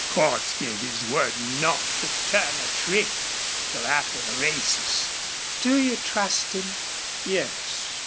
Cordts gave his word not to turn a trick till after the races." "Do you trust him?" "Yes.